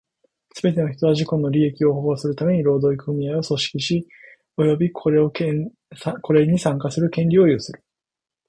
すべて人は、自己の利益を保護するために労働組合を組織し、及びこれに参加する権利を有する。